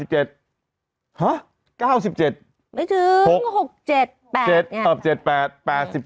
ฮะ๙๗ไม่ถึง๖๗๘อย่างนี้